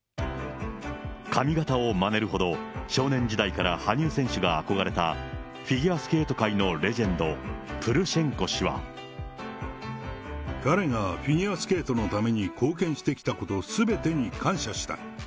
髪形をまねるほど、少年時代から羽生選手が憧れた、フィギュアスケート界のレジェン彼がフィギュアスケートのために貢献してきたことすべてに感謝したい。